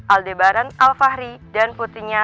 aldebaran alfahri dan putrinya